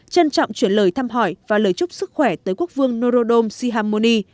trân trọng chuyển lời thăm hỏi và lời chúc sức khỏe tới quốc vương norodom sihamoni